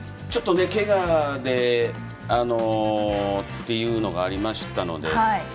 けがでっていうのがありましたので。